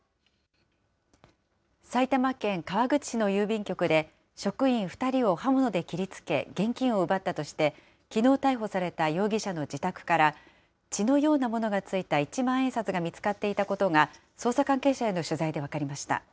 埼玉県川口市の郵便局で、職員２人を刃物で切りつけ、現金を奪ったとして、きのう逮捕された容疑者の自宅から、血のようなものがついた一万円札が見つかっていたことが、捜査関係者への取材で分かりました。